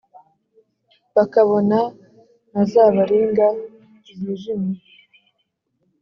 bakabona na za baringa zijimye